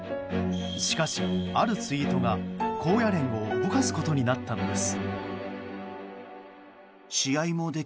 しかし、あるツイートが高野連を動かすことになったのです。